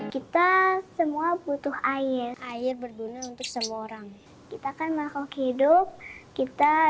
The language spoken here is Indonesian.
kita semua butuh air air berguna untuk semua orang kita akan melakukan hidup kita